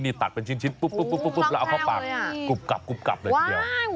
มีตัดเป็นชิ้นปุ๊บแล้วเอาเข้าปากกรุบกลับเลยเดียว